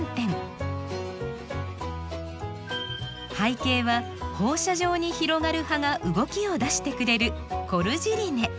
背景は放射状に広がる葉が動きを出してくれるコルジリネ。